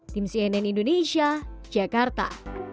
tim cnn indonesia jakarta